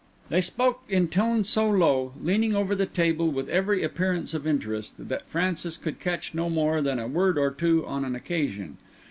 They spoke in tones so low, leaning over the table with every appearance of interest, that Francis could catch no more than a word or two on an occasion.